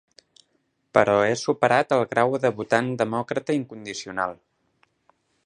Però he superat el grau de votant demòcrata incondicional.